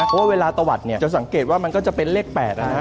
เพราะว่าเวลาตะวัดเนี่ยจะสังเกตว่ามันก็จะเป็นเลข๘นะฮะ